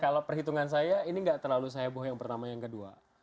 kalau perhitungan saya ini nggak terlalu saya bohong yang pertama yang kedua